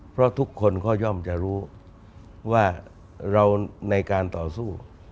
เพราะทุกคนก็ย่อมจะรู้ว่าเราในการต่อสู้